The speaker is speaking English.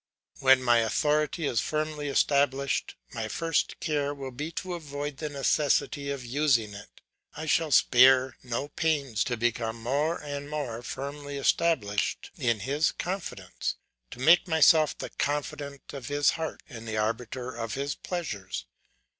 When my authority is firmly established, my first care will be to avoid the necessity of using it. I shall spare no pains to become more and more firmly established in his confidence, to make myself the confidant of his heart and the arbiter of his pleasures.